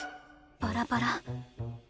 バラバラ